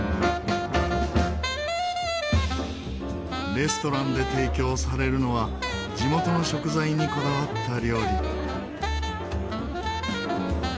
レストランで提供されるのは地元の食材にこだわった料理。